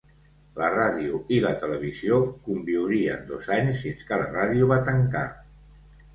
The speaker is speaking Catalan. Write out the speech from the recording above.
La ràdio i la televisió conviurien dos anys, fins que la ràdio va tancar.